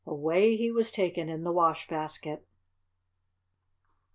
Away he was taken in the wash basket.